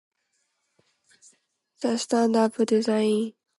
The stand-up design allows the rider to glide with the moving wave.